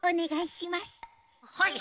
はい。